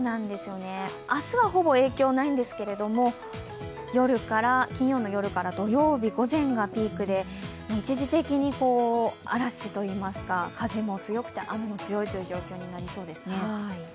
明日はほぼ影響はないんですけれども、金曜の夜から土曜日午前がピークで、一時的に嵐と言いますか、風も強くて雨も強いという状況になりますね。